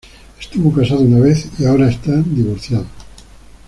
Estuvo casado una vez, y ahora está divorciado.